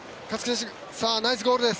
ナイスゴールです。